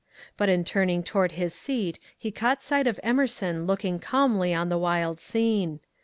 But in turning toward his seat he caught sight of Emerson looking calmly on the wild scene.